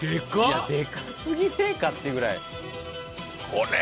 いやでかすぎねえかっていうぐらい。